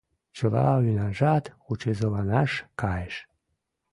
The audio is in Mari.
Чыла ӱнаржат ӱчызыланаш кайыш.